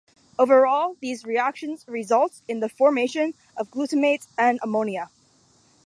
Overall, these reactions result in the formation of glutamate and ammonia.